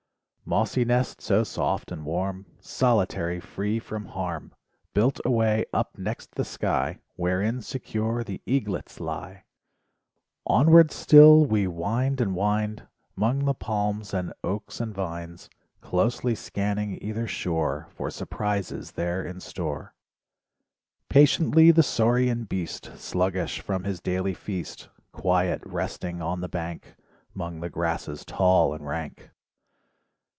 Mossy nest so soft and warm, Solitary free from harm, Built away up next the sky Wherein secure the eaglets lie. Onward still we wind and wind 'Mong the palms and oaks and vines. Closely scanning either shore For .surprises there in store. Patiently the saurian beast Sluggish from his daily feast. Quiet, resting on the bank 'Mong the grasses tall and rank.